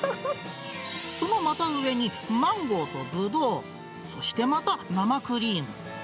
そのまた上に、マンゴーとブドウ、そしてまた生クリーム。